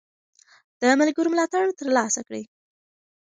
د ملګرو ملاتړ ترلاسه کړئ.